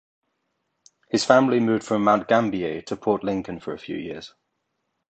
His family moved from Mount Gambier to Port Lincoln for a few years.